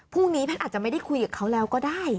แพทย์อาจจะไม่ได้คุยกับเขาแล้วก็ได้